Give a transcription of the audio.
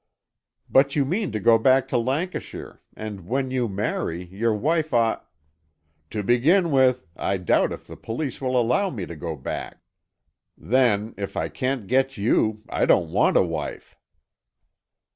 "But you mean to go back to Lancashire, and when you marry your wife ought " "To begin with, I doubt if the police will allow me to go back. Then, if I can't get you, I don't want a wife!"